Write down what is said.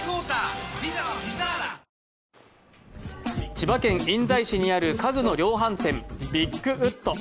千葉県印西市にある家具の量販店、ビッグウッド。